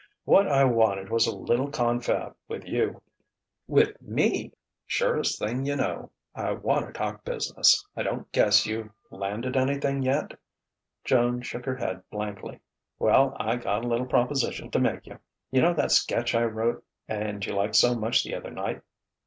What I wanted was a little confab with you." "With me!" "Surest thing you know. I wanta talk business. I don't guess you've landed anything yet?" Joan shook her head blankly. "Well, I got a little proposition to make you. Yunno that sketch I wrote and you liked so much the other night?"